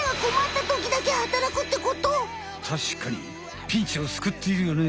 たしかにピンチを救っているよね。